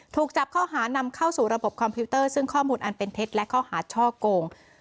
ถูกจับข้อหานำเข้าสู่ระบบคอมพิวเตอร์ซึ่งข้อมูลอันเป็นเท็จและข้อหาช่อโกง